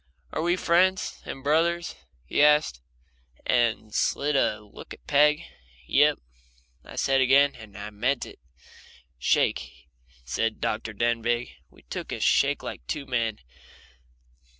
"Are we friends and brothers?" he asked, and slid a look at Peg. "Yep," I said again, and I meant it. "Shake," said Dr. Denbigh, and we shook like two men.